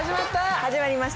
始まりました。